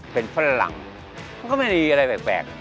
เป็นฝรั่งก็ไม่มีอะไรแปลก